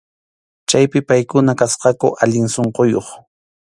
Chaypi paykuna kasqaku allin sunquyuq.